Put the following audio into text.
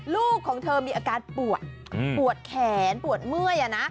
ลูกของเธอมีอาการปวดปวดแขนปวดเมื่อย